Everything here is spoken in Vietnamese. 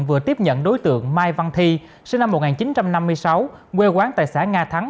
vừa tiếp nhận đối tượng mai văn thi sinh năm một nghìn chín trăm năm mươi sáu quê quán tại xã nga thắng